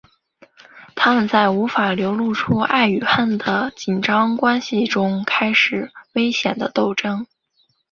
他们在无法流露出爱与恨的紧张关系中开始危险的争斗。